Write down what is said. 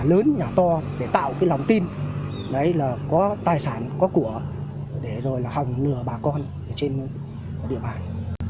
lớn nhỏ to để tạo cái lòng tin đấy là có tài sản có của để rồi là hỏng nửa bà con ở trên địa bàn